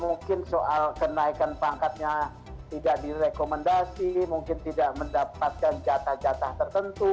mungkin soal kenaikan pangkatnya tidak direkomendasi mungkin tidak mendapatkan jatah jatah tertentu